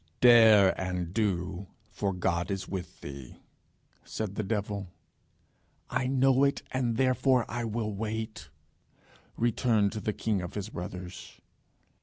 "Dare and do, for God is with thee," said the devil. "I know it, and therefore I will wait," returned the king of his brothers.